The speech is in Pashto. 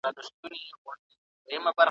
که ته راشې موږ به په ګډه کتاب لولو.